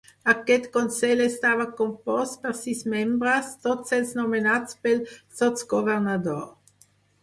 Aquest consell estava compost per sis membres, tots ells nomenats pel sotsgovernador.